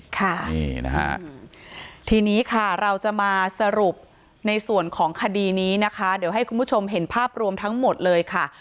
ค่ะนี่นะฮะทีนี้ค่ะเราจะมาสรุปในส่วนของคดีนี้นะคะเดี๋ยวให้คุณผู้ชมเห็นภาพรวมทั้งหมดเลยค่ะ